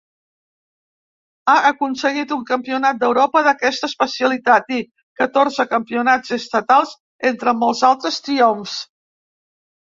Ha aconseguit un Campionat d'Europa d'aquesta especialitat i catorze campionats estatals entre molts altres triomfs.